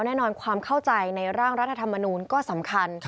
แน่นอนความเข้าใจในร่างรัฐธรรมนูลก็สำคัญ